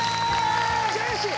ジェシー！